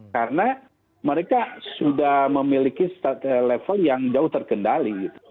karena mereka sudah memiliki level yang jauh terkait